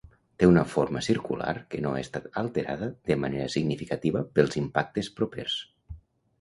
Té una forma circular que no ha estat alterada de manera significativa pels impactes propers.